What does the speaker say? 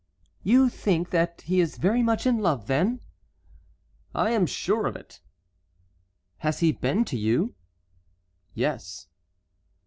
"You think that he is very much in love, then?" "I am sure of it." "Has he been to you?" "Yes."